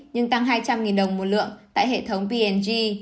nhưng tăng hai trăm linh đồng một lượng tại hệ thống p g